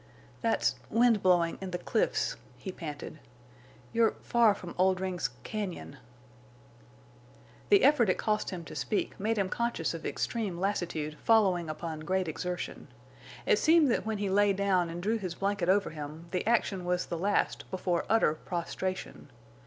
"That's—wind blowing—in the—cliffs," he panted. "You're far from Oldring's—cañon." The effort it cost him to speak made him conscious of extreme lassitude following upon great exertion. It seemed that when he lay down and drew his blanket over him the action was the last before utter prostration.